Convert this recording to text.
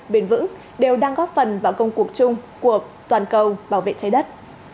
bền vững đều đang góp phần vào công cuộc chung của toàn cầu bảo vệ trái đất